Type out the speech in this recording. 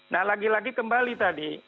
nah lagi lagi kembali tadi